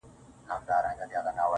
o دا غرونه غرونه پـه واوښـتـل.